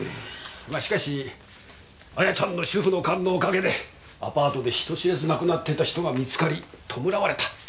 まあしかしあやちゃんの主婦の勘のおかげでアパートで人知れず亡くなってた人が見つかり弔われた。